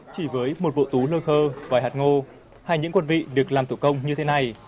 chỉ với một bộ tú lôi khơ vài hạt ngô hai những quân vị được làm thủ công như thế này